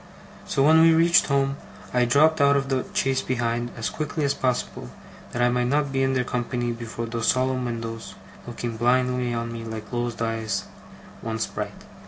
So, when we reached home, I dropped out of the chaise behind, as quickly as possible, that I might not be in their company before those solemn windows, looking blindly on me like closed eyes once bright.